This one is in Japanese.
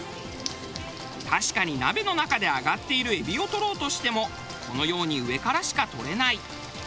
確かに鍋の中で揚がっているエビを撮ろうとしてもこのように上からしか撮れない。